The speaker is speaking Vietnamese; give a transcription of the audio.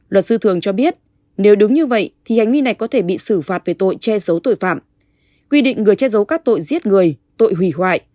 luật sư thường cho biết nếu đúng như vậy thì hành vi này có thể bị xử phạt về tội che giấu tội phạm quy định người che giấu các tội giết người tội hủy hoại